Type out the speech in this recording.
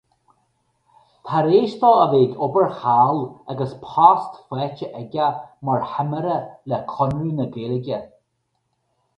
Tar éis dó a bheith ag obair thall agus post faighte aige mar thimire le Conradh na Gaeilge.